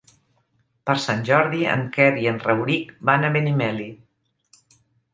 Per Sant Jordi en Quer i en Rauric van a Benimeli.